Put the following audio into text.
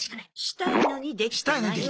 したいのにできてない。